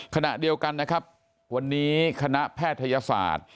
ขณะเดียวกันนะครับวันนี้คณะแพทยศาสตร์